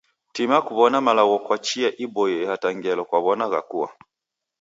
Tima kuw'ona malagho kwa chia iboie hata ngelo kwaw'ona ghakua.